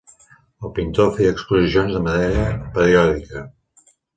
El pintor feia exposicions de manera periòdica.